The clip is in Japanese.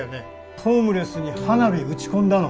ホームレスに花火打ち込んだの？